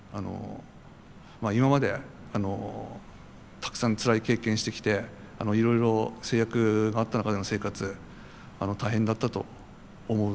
今までたくさんつらい経験してきていろいろ制約があった中での生活大変だったと思いますと。